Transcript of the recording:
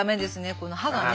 この歯がね